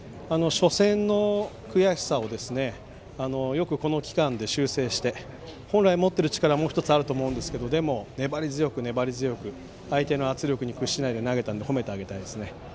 初戦の悔しさをよくこの期間で修正して、本来持っている力はもう１つあると思うんですがでも、粘り強く相手の圧力に屈しないで投げたので褒めてあげたいです。